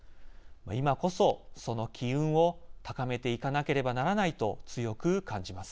今こそ、その機運を高めていかなければならないと強く感じます。